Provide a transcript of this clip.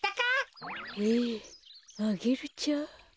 えアゲルちゃん？